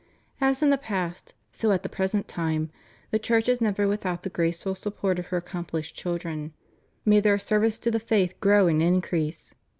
As in the past, so at the present time, the Church is never without the graceful support of her accomplished children; may their service to the Faith grow and increase!